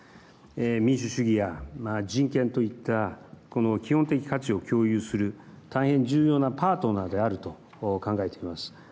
民主主義や人権といったこの基本的価値を共有する大変重要なパートナーであると考えています。